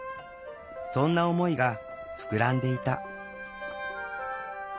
そんな思いが膨らんでいた。